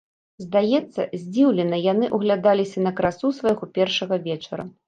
Здаецца, здзіўлена яны ўглядаліся на красу свайго першага вечара.